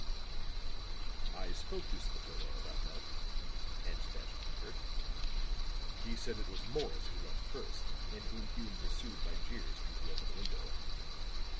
"I spoke to Spatola about that," answered Ashton Kirk. "He said it was Morris who left first and whom Hume pursued by jeers through the open window.